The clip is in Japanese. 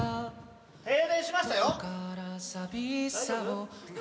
停電しましたよ。